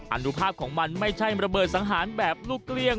อนุภาพของมันไม่ใช่ระเบิดสังหารแบบลูกเกลี้ยง